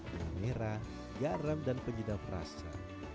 gula merah garam dan penyedap rasa